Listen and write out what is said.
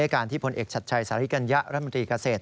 การที่ผลเอกชัดชัยสาริกัญญะรัฐมนตรีเกษตร